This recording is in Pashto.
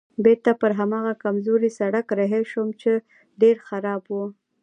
بېرته پر هماغه کمزوري سړک رهي شوم چې ډېر خراب و.